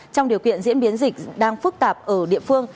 trong điều kiện diễn biến dịch đang phức tạp ở địa phương